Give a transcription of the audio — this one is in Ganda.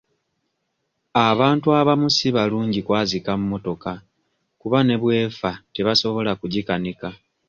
Abantu abamu si balungi kwazika mmotoka kuba ne bw'efa tabasobola kugikanika.